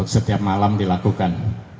setiap malam dilakukan